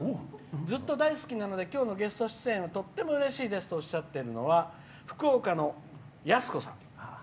ずっと大好きなのできょうのゲスト出演がとっても楽しみとおっしゃっているのが福岡のやすこさん。